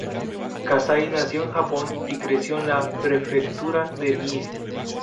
Kasai nació en Japón y creció en la Prefectura de Mie.